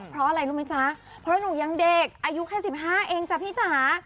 เพราะอะไรรู้ไหมจ๊ะเพราะหนูยังเด็กอายุแค่๑๕เองจ้ะพี่จ๋า